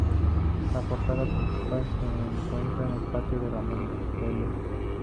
La portada principal se encuentra en el patio de la Montería.